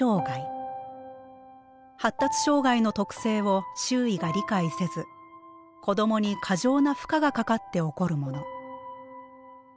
発達障害の特性を周囲が理解せず子どもに過剰な負荷がかかって起こるもの。